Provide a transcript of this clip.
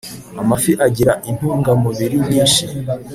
amafi agira intungamubiri nyinshi.